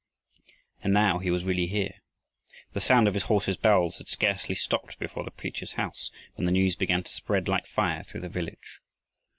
And now he was really here! The sound of his horse's bells had scarcely stopped before the preacher's house, when the news began to spread like fire through the village.